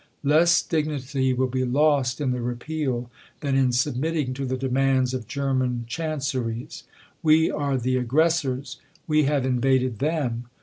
Less dignity will' be lost in the repeal, than in submitting to the demands of German chanceries. We are the aggressors. We have invaded them.